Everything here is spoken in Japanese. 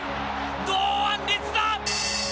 堂安律だ！